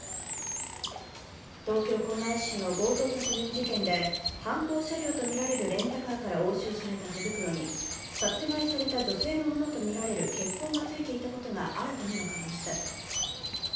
東京・狛江市の強盗殺人事件で犯行車両とみられるレンタカーから押収された手袋に殺害された女性のものとみられる血痕が付いていたことが新たに分かりました。